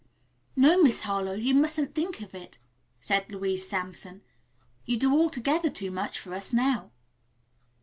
"No, Miss Harlowe, you mustn't think of it," said Louise Sampson. "You do altogether too much for us now."